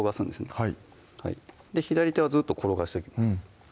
はい左手はずっと転がしておきます